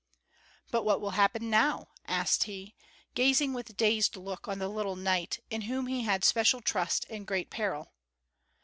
"But what will happen now?" asked he, gazing with dazed look on the little knight, in whom he had special trust in great peril.